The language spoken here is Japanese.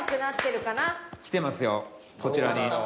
来てますよこちらに。